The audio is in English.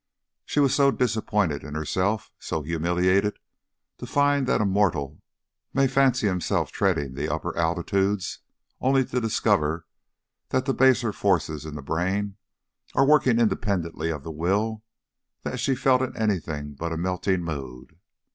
She was so disappointed in herself, so humiliated to find that a mortal may fancy himself treading the upper altitudes, only to discover that the baser forces in the brain are working independently of the will, that she felt in anything but a melting mood.